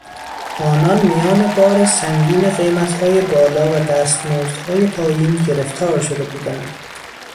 آنان میانبار سنگین قیمتهای بالا و دستمزدهای پایین گرفتار شده بودند.